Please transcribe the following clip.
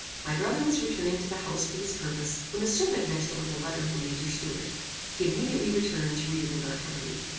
My brother was returning to the house for this purpose, when a servant met him with a letter from Major Stuart. He immediately returned to read it in our company.